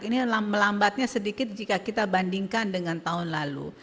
ini melambatnya sedikit jika kita bandingkan dengan tahun lalu